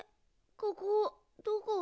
ここどこ？